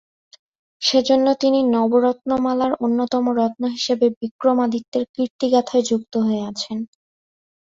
সেজন্য তিনি ‘নবরত্নমালা’র অন্যতম রত্ন হিসেবে বিক্রমাদিত্যের ‘কীর্তিগাথা’য় যুক্ত হয়ে আছেন।